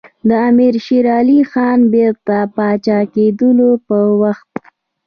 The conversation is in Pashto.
د امیر شېر علي خان بیرته پاچا کېدلو په وخت.